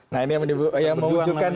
nah ini yang menunjukkan